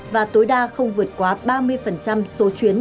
và tối đa không vượt quá ba mươi số chuyến